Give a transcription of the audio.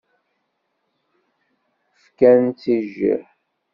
Fkant-tt i jjiḥ.